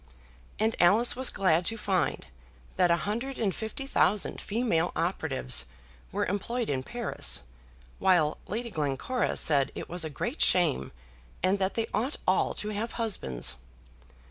And Alice was glad to find that a hundred and fifty thousand female operatives were employed in Paris, while Lady Glencora said it was a great shame, and that they ought all to have husbands.